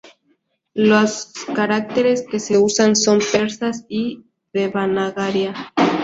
Los caracteres que se usan son persas y devanagari.